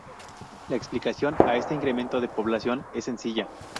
La explicación a este incremento de población es sencilla.